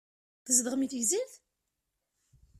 Tzedɣem deg Tegzirt?